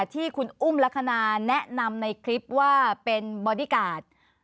ที่คุณอุ้มลักษณะแนะนำในคลิปว่าเป็นบอดี้การ์ด